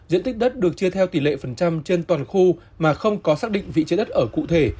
diện tích đất được chia theo tỷ lệ phần trăm trên toàn khu mà không có xác định vị trí đất ở cụ thể